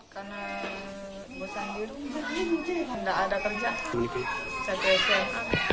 karena bosan di rumah tidak ada kerja saya kesehatan